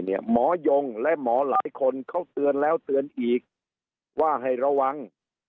หมอยงและหมอหลายคนเขาเตือนแล้วเตือนอีกว่าให้ระวัง